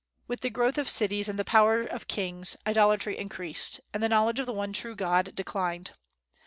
With the growth of cities and the power of kings idolatry increased, and the knowledge of the true God declined.